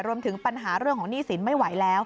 รวมถึงปัญหาเรื่องของหนี้สินไม่ไหวแล้ว